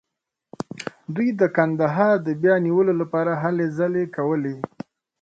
دوی د کندهار د بیا نیولو لپاره هلې ځلې کولې.